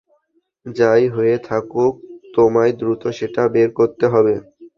যাই হয়ে থাকুক, তোমায় দ্রুত সেটা বের করতে হবে।